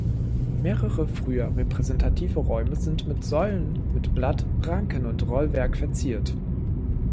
Mehrere, früher repräsentative Räume sind mit Säulen mit Blatt-, Ranken- und Rollwerk verziert.